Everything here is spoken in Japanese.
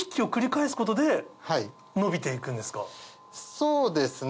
そうですね。